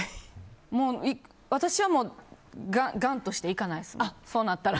もう私はがんとして行かないですね、そうなったら。